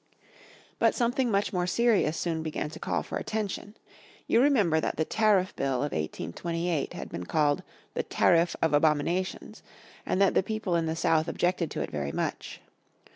But something much more serious soon began to call for attention. You remember that the Tariff Bill of 1828 had been called the Tariff of Abominations, and that the people in the South objected to it very much.